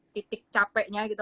titik capeknya gitu